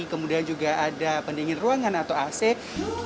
kemudian juga ada pendingin ruangan atau ac